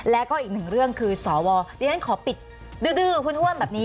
แล้วก็อีกหนึ่งเรื่องคือสวดิฉันขอปิดดื้อห้วนแบบนี้